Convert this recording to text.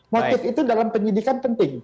motif itu dalam penyidikan penting